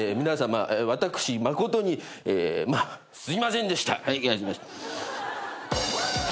皆さま私まことにすいませんでしたはい。